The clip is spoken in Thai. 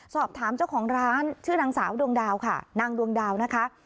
สอบถามเจ้าของร้านชื่อนางสาวดวงดาวค่ะนางดวงดาวนะคะ